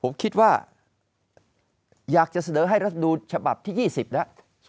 ผมคิดว่าอยากจะเสนอให้รัฐดูฉบับที่๒๐แล้ว